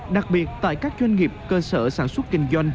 đặc biệt tại các doanh nghiệp cơ sở sản xuất kinh doanh